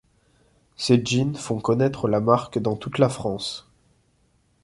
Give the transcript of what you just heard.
Ses jeans font connaître la marque dans toute la France.